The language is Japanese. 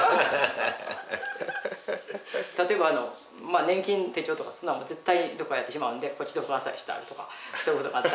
例えば年金手帳とかそんなんは絶対どっかやってしまうんでこっちで不渡りしたとかそういうことがあったりとか。